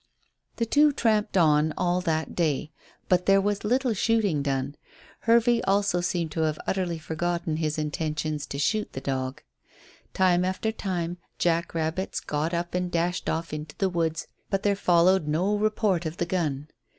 The two tramped on all that day, but there was little shooting done. Hervey also seemed to have utterly forgotten his intention to shoot the dog. Time after time jack rabbits got up and dashed off into the woods, but there followed no report of the gun.